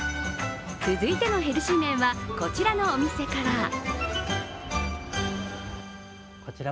続いてのヘルシー麺は、こちらのお店から。